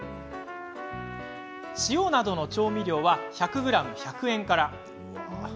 塩などの調味料は１００ｇ１００円から。